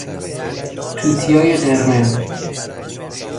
توتیای قرمز